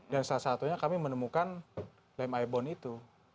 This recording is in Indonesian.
dan salah satunya kami menemukan lem ibon itu